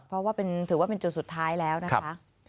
เพราะว่าถือว่าเป็นจุดสุดท้ายแล้วนะคะ